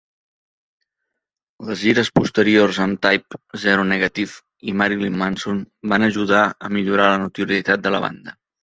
Les gires posteriors amb Type O Negative i Marilyn Manson van ajudar a millorar la notorietat de la banda.